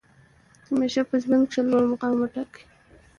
همېشه په ژوند کښي لوړ مقام وټاکئ!